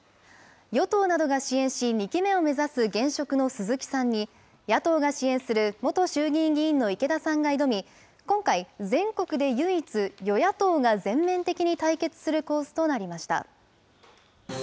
与党などが支援し、２期目を目指す現職の鈴木さんに、野党が支援する元衆議院議員の池田さんが挑み、今回、全国で唯一、与野党が全面的に対決する構図となりました。